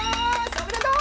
おめでとう！